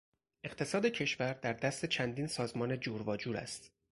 اقتصاد کشور در دست چندین سازمان جور واجور است.